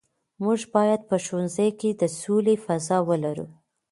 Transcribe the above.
موږ باید په ښوونځي کې د سولې فضا ولرو.